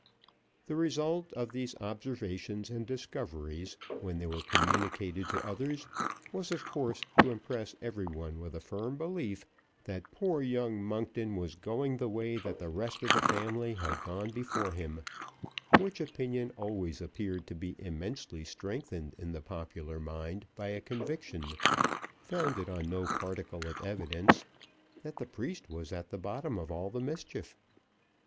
The result of these observations and discoveries, when they were communicated to others, was of course to impress every one with a firm belief that "poor young Monkton was going the way that the rest of the family had gone before him," which opinion always appeared to be immensely strengthened in the popular mind by a conviction founded on no particle of evidence that the priest was at the bottom of all the mischief.